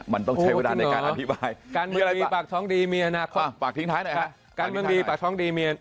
มันต้องใช้เวลาในการอธิบาย